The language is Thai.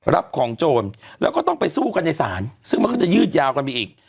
รับของโจรแล้วก็ต้องไปสู้กันในศาลซึ่งมันก็จะยืดยาวกันไปอีก